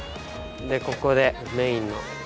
でここでメインの。